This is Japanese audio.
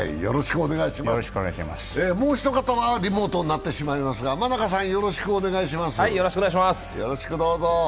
もう一方はリモートになってしまいますが真中さん、よろしくお願いします。